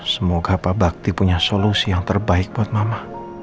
semoga pak bakti punya solusi yang terbaik buat mama